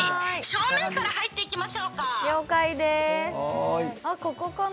正面から入っていきましょうか。